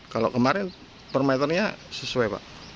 kalau kemarin per meternya sesuai pak